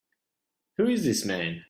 Who is this man?